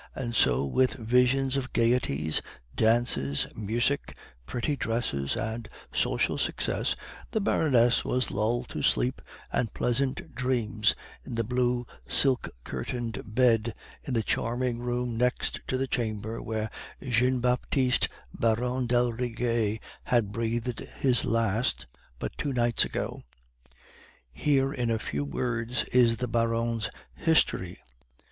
And so with visions of gaieties, dances, music, pretty dresses, and social success, the Baroness was lulled to sleep and pleasant dreams in the blue, silk curtained bed in the charming room next to the chamber in which Jean Baptiste, Baron d'Aldrigger, had breathed his last but two nights ago. "Here in a few words is the Baron's history.